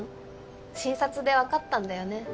診察で分かったんだよね